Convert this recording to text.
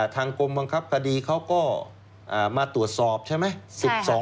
ทางกรมบังคับคดีเขาก็มาตรวจสอบใช่ไหม